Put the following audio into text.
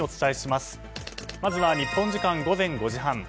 まずは日本時間午前５時半。